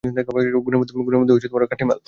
গুণের মধ্যে, ও খাঁটি মাল।